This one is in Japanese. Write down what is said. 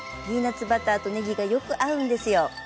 ピーナツバターとねぎがよく合うんですよ。